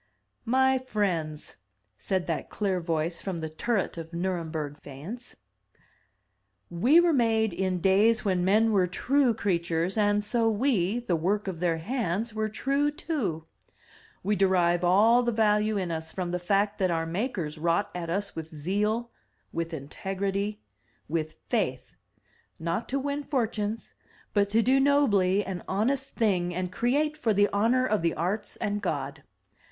"My friends, said that clear voice from the turret of Nurem berg faience. "We were made in days when men were true crea tures, and so we, the work of their hands, were true too. We derive all the value in us from the fact that our makers wrought at us with zeal, with integrity, with faith — ^not to win fortunes, but to do nobly an honest thing and create for the honor of the Arts and God.